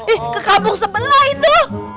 ih ke kampung sebelah itu